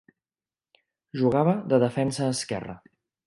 Jugava de defensa esquerre.